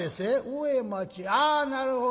「上町ああなるほど。